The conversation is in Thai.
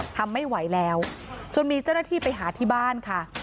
ทำไม่ไหวแล้วจนมีเจ้าหน้าที่ไปหาที่บ้านค่ะ